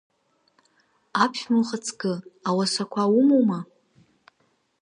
Аԥшәма ухаҵкы, ауасақәа умоума?